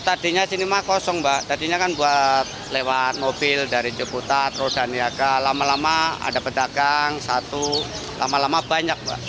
tadinya sini kosong buat lewat mobil dari jogota rodaniaga lama lama ada pedagang lama lama banyak